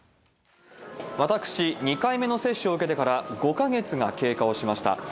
私、２回目の接種を受けてから５か月が経過をしました。